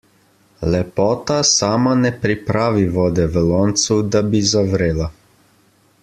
Lepota sama ne pripravi vode v loncu, da bi zavrela.